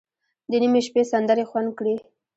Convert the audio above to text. د نیمې شپې سندرې خوند کړي.